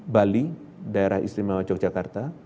bali daerah istimewa yogyakarta